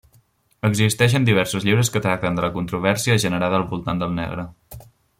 Existeixen diversos llibres que tracten de la controvèrsia generada al voltant del negre.